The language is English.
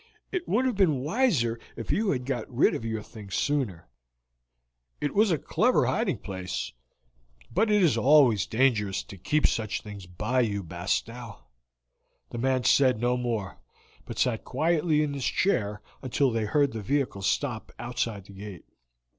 "It would have been wiser if you had got rid of your things sooner. It was a clever hiding place, but it is always dangerous to keep such things by you, Bastow." The man said no more, but sat quietly in his chair until they heard the vehicle stop outside the gate.